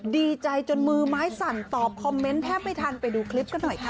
ดีใจจนมือไม้สั่นตอบคอมเมนต์แทบไม่ทันไปดูคลิปกันหน่อยค่ะ